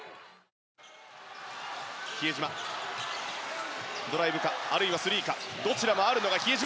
比江島、ドライブかあるいはスリーかどちらもあるのが比江島。